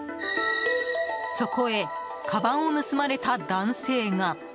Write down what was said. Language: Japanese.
そこへ、かばんを盗まれた男性が。